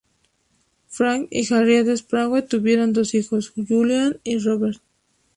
Frank y Harriet Sprague tuvieron dos hijos, Julian y Robert.